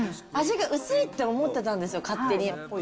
味が薄いって思ってたんですよ、勝手に。